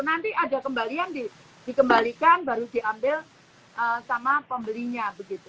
nanti ada kembalian dikembalikan baru diambil sama pembelinya